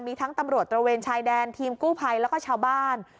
มีทั้งตำรวจตระเวนชายแดนทีมกู้ภัยแล้วก็ชาวบ้าน